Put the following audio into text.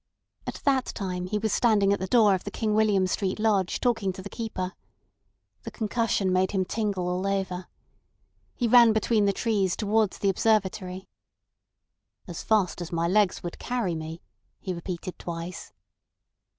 At that time he was standing at the door of the King William Street Lodge talking to the keeper. The concussion made him tingle all over. He ran between the trees towards the Observatory. "As fast as my legs would carry me," he repeated twice.